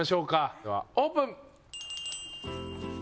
ではオープン！